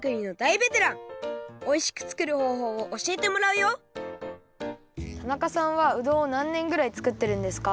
おいしく作るほうほうをおしえてもらうよ田中さんはうどんをなんねんぐらい作ってるんですか？